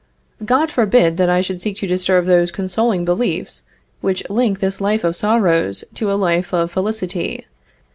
God forbid that I should seek to disturb those consoling beliefs which link this life of sorrows to a life of felicity.